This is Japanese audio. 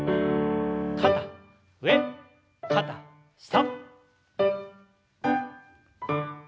肩上肩下。